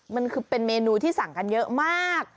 มันคือเป็นเมนูที่สั่งกันเยอะมาก